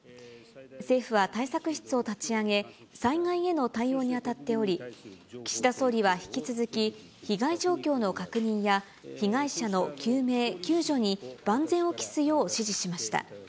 政府は対策室を立ち上げ、災害への対応に当たっており、岸田総理は引き続き、被害状況の確認や、被害者の救命・救助に万全を期すよう指示しました。